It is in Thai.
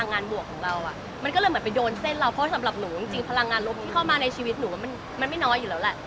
งานบวกของเราอ่ะมันก็เลยเหมือนไปโดนเส้นเราเพราะสำหรับหนูจริงพลังงานลบที่เข้ามาในชีวิตหนูว่ามันไม่น้อยอยู่แล้วแหละ